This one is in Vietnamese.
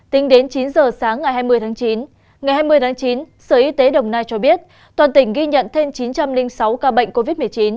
tính đến chín giờ sáng ngày hai mươi tháng chín ngày hai mươi tháng chín sở y tế đồng nai cho biết toàn tỉnh ghi nhận thêm chín trăm linh sáu ca bệnh covid một mươi chín